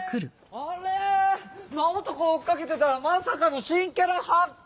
あれ間男追っ掛けてたらまさかの新キャラ発見！